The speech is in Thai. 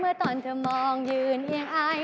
เมื่อตอนเธอมองยืนกลางยังอาย